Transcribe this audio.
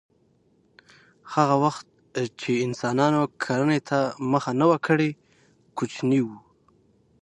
هغه وخت چې انسانانو کرنې ته مخه نه وه کړې کوچني وو